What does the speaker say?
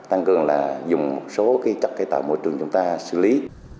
tăng cường là dùng một số chất cây tạo môi trường chúng ta xử lý